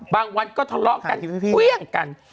บางวันก็ทะเลาะกันเครื่องกัน